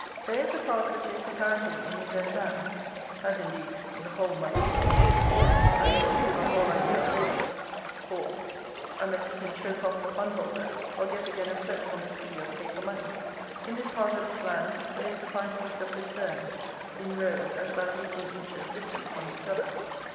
There is a part which is, apparently, in his own hands, as, indeed, the whole must soon be, unless he give up all idea of rent, or, unless he can choack off the fundholder or get again afloat on the sea of paper money. In this part of his land there is a fine piece of Lucerne in rows at about eighteen inches distant from each other.